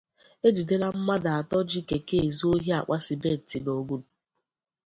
E Jidela Mmadụ Atọ Ji Keke Ezu Ohi Àkpà Simenti n'Ogun